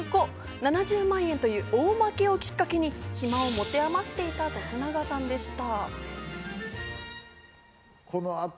７０万円という大負けをきっかけに暇を持て余していた徳永さんでした。